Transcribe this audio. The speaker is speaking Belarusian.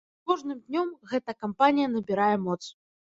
С кожным днём гэта кампанія набірае моц.